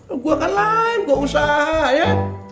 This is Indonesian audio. duh gue akan lain gue usaha ya